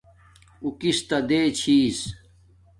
اُو کس تا دیں چھس